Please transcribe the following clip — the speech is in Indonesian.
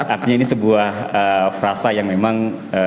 artinya ini sebuah frasa yang memang